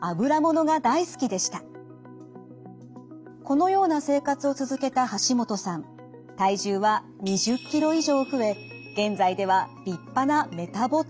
このような生活を続けたハシモトさん体重は２０ｋｇ以上増え現在では立派なメタボ体型。